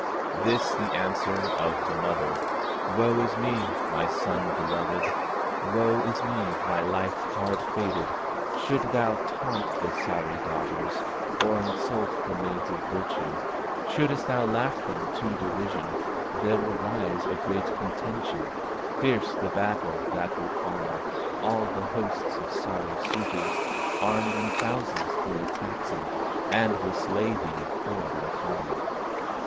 This the answer of the mother: "Woe is me, my son beloved! Woe is me, my life hard fated! Shouldst thou taunt the Sahri daughters, Or insult the maids of virtue, Shouldst thou laugh them to derision, There will rise a great contention, Fierce the battle that will follow. All the hosts of Sahri suitors, Armed in thousands will attack thee, And will slay thee for thy folly."